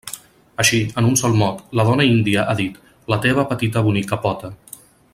Així, en un sol mot, la dona índia ha dit: la teva petita bonica pota.